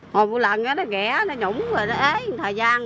hồi một lần nó ghé nó nhũng nó ế thời gian